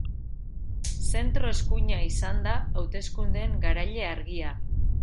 Zentro eskuina izan da hauteskundeen garaile argia.